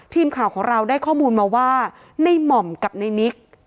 ทีมข่าวของเราได้ข้อมูลมาว่าในหม่อมกับในนิก